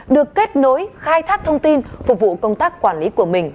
được kết nối khai thác thông tin phục vụ công tác quản lý của mình